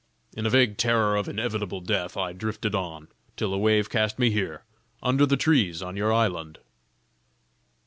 In a vague terror of inevitable death I drifted on, till a wave cast me here, under the trees on your island."